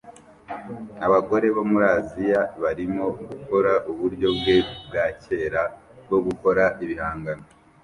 Abagore bo muri Aziya barimo gukora uburyo bwe bwa kera bwo gukora ibihangano